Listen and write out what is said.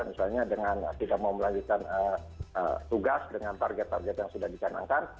misalnya dengan tidak memulai tugas dengan target target yang sudah dikenangkan